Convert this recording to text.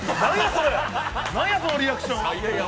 なんや、そのリアクション。